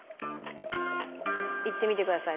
いってみてください